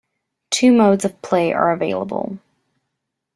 Two modes of play are available.